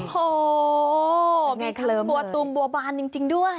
โหมีทั้งปัวตุมปัวบานจริงด้วย